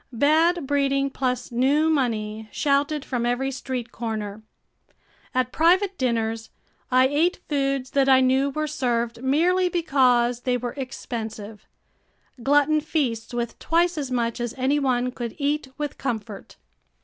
Bad breeding plus new money shouted from every street corner. At private dinners, I ate foods that I knew were served merely because they were expensive, glutton feasts with twice as much as any one could eat with comfort.